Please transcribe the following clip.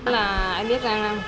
là em biết rằng